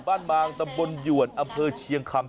บางตำบลหยวนอำเภอเชียงคำ